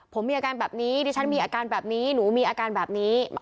ผมมีอาการแบบนี้ดิฉันมีอาการแบบนี้หนูมีอาการแบบนี้